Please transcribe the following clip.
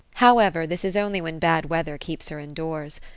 However, this is only when bad weather keeps her in doors.